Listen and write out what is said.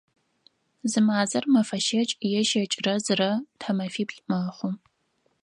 Зы мазэр мэфэ щэкӏ е щэкӏырэ зырэ, тхьэмэфиплӏ мэхъу.